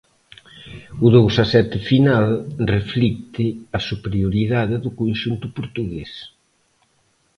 O dous a sete final reflicte a superioridade do conxunto portugués.